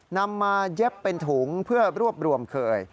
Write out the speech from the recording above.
นำมาเย็บเป็นถุงเพื่อรวบรวมเคย